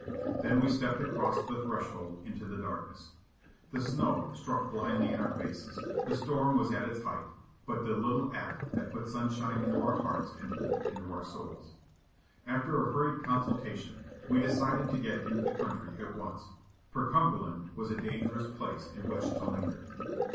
Then we stepped across the threshold into the darkness. The snow struck blindly in our faces; the storm was at its height, but the little act had put sunshine into our hearts and hope into our souls. After a hurried consultation we decided to get into the coun try at once ; for Cumberland was a dangerous place in which to linger.